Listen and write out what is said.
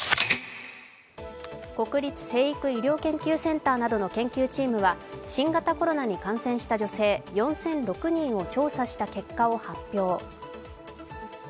国立成育医療研究センターなどの研究チームは新型コロナに感染した女性、４００６人を調査した結果を発表。